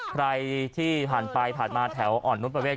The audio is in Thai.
ใครที่ผ่านไปผ่านมาแถวอ่อนนุษยประเวท